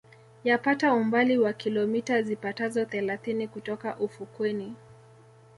Yapata umbali wa kilomita zipatazo thelathini kutoka ufukweni